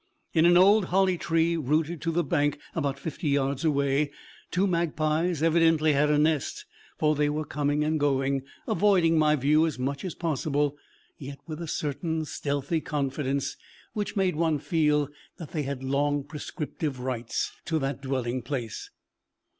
In an old holly tree rooted to the bank about fifty yards away, two magpies evidently had a nest, for they were coming and going, avoiding my view as much as possible, yet with a certain stealthy confidence which made one feel that they had long prescriptive right to that dwelling place.